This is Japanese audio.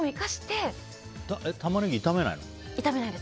タマネギ、炒めないの？